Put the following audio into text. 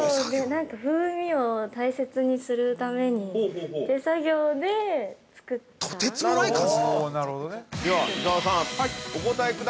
なんか、風味を大切にするために手作業で作った。